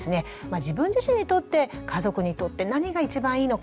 自分自身にとって家族にとって何が一番いいのか？